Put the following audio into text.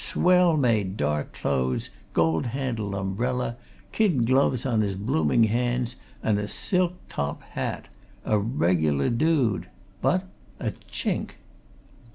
Swell made dark clothes, gold handled umbrella, kid gloves on his blooming hands, and a silk top hat a reg'lar dude! But a chink!"